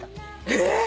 えっ！？